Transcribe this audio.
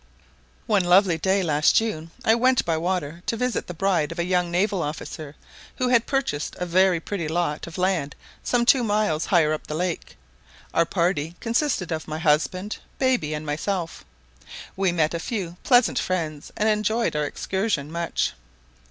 One lovely day last June I went by water to visit the bride of a young naval officer, who had purchased a very pretty lot of land some two miles higher up the lake; our party consisted of my husband, baby, and myself; we met a few pleasant friends, and enjoyed our excursion much.